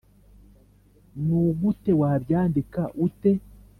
nugute wabyandika ute?